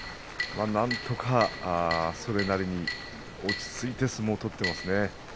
なんとかそれなりに落ち着いて相撲を取っていますね。